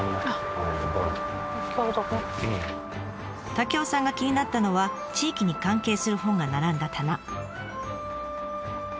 竹夫さんが気になったのは地域に関係する本が並んだ棚。